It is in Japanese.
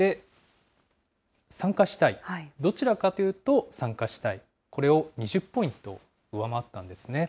参加したい、どちらかというと参加したい、これを２０ポイント上回ったんですね。